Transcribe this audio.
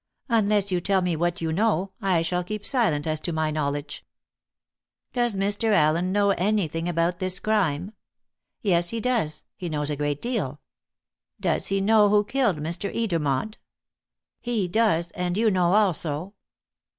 Unless you tell me what you know, I shall keep silent as to my knowledge." "Does Mr. Allen know anything about this crime?" "Yes, he does; he knows a great deal." "Does he know who killed Mr. Edermont?" "He does and you know also."